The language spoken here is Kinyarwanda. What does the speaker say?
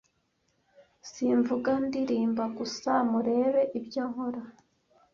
simvuga ndirimba gusa murebe ibyo nkora